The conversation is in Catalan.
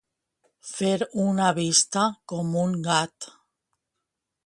Fer una vista com un gat.